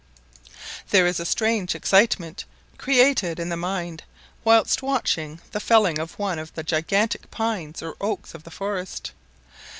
There is a strange excitement created in the mind whilst watching the felling of one of the gigantic pines or oaks of the forest.